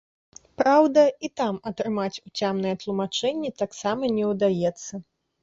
Праўда, і там атрымаць уцямныя тлумачэнні таксама не ўдаецца.